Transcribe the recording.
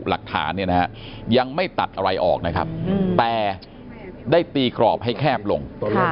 หลักฐานเนี่ยนะฮะยังไม่ตัดอะไรออกนะครับแต่ได้ตีกรอบให้แคบลง